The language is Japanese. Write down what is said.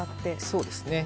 そうですね。